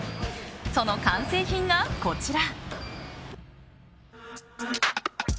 その完成品が、こちら。